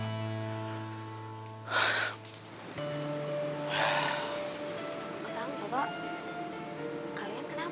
otang toto kalian kenapa